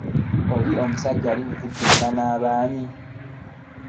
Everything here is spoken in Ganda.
Oli musajja okuttunka n'abaami abo!